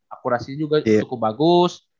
akurasi juga cukup bagus